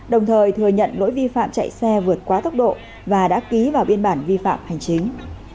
đồng thời thừa nhận lỗi vi phạm chạy xe vượt quá tốc độ và đã ký vào biên bản vi phạm hành chính